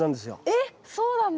えっそうなんだ。